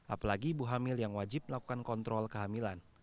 apalagi ibu hamil yang wajib melakukan kontrol kehamilan